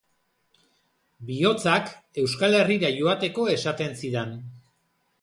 Bihotzak Euskal Herrira joateko esaten zidan.